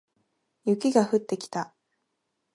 雪が降ってきた